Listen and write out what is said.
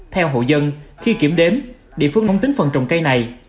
theo hộ dân khi kiểm đếm địa phương nắm tính phần trồng cây này